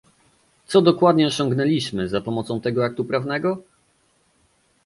Co dokładnie osiągnęliśmy za pomocą tego aktu prawnego?